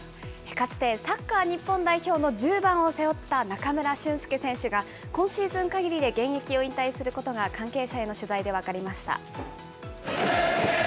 かつてサッカー日本代表の１０番を背負った中村俊輔選手が今シーズンかぎりで現役を引退することが関係者への取材で分かりました。